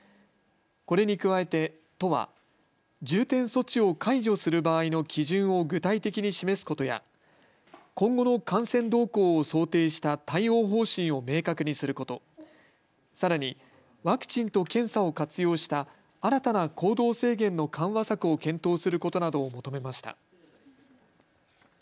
これに加えて都は重点措置を解除する場合の基準を具体的に示すことや今後の感染動向を想定した対応方針を明確にすること、さらにワクチンと検査を活用した新たな行動制限の緩和策を検討することなどを求めました。